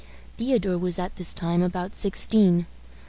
Theodore was at this time about sixteen.